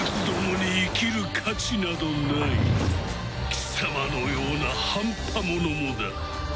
貴様のような半端者もだ。